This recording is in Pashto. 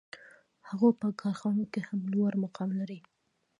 هغوی په کارخانو کې هم لوړ مقام لري